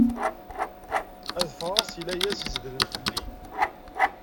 Ad d-ffɣeɣ seg layas i izedlen fell-i.